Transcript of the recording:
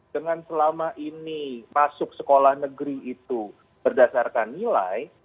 dengan selama ini masuk sekolah negeri itu berdasarkan nilai